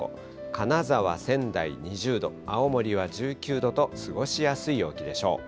金沢、仙台２０度、青森は１９度と、過ごしやすい陽気でしょう。